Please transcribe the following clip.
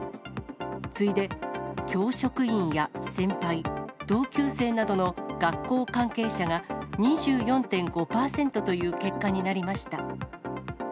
次いで教職員や先輩、同級生などの学校関係者が２４．５％という結果になりました。